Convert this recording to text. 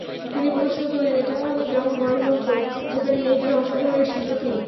তিনি প্রশ্ন তোলেন, এটা তাহলে কেমন গণতন্ত্র, যেখানে মেয়েদের অংশগ্রহণের সুযোগ নেই।